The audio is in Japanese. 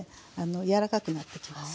柔らかくなってきますから。